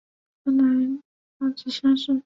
河南戊子乡试。